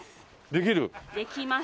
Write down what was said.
できます。